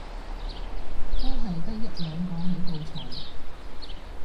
都係得一兩個喺度嘈